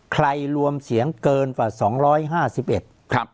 ใครรวมเสียงเกินกว่า๒๕๑